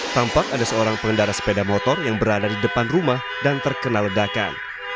tampak ada seorang pengendara sepeda motor yang berada di depan rumah dan terkena ledakan